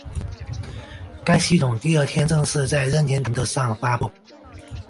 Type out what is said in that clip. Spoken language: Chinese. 该系统第二天正式在任天堂的上发布。